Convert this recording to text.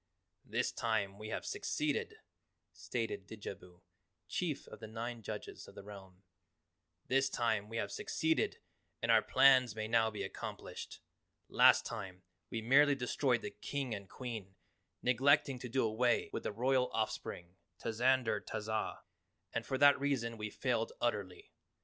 "This time we have succeeded," stated Didjabo, chief of the nine Judges of the realm, "this time we have succeeded and our plans may now be accomplished. Last time, we merely destroyed the King and Queen, neglecting to do away with the Royal Off spring, Tazander Tazah, and for that reason we failed utterly.